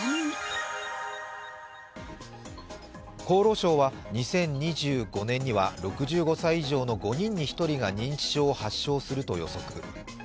厚労省は２０２５年には６５歳以上の５人に１人が認知症を発症すると予測。